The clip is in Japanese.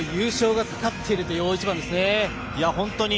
優勝がかかっている大一番ですね。